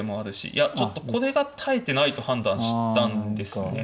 いやちょっとこれが耐えてないと判断したんですね。